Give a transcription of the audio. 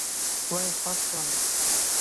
وئ خوږ شوم